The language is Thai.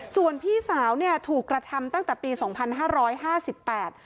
ส่วนพี่สาวเนี่ยถูกกระทำตั้งแต่ปีสองพันห้าร้อยห้าสิบแปด